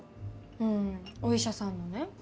うんお医者さんのね。